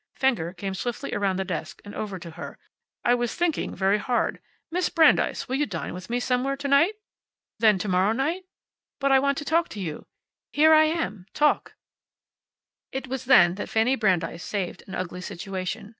Fenger came swiftly around the desk, and over to her. "I was thinking very hard. Miss Brandeis, will you dine with me somewhere tonight? Then to morrow night? But I want to talk to you." "Here I am. Talk." "But I want to talk to you." It was then that Fanny Brandeis saved an ugly situation.